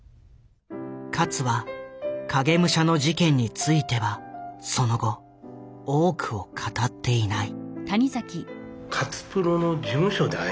勝は「影武者」の事件についてはその後多くを語っていない。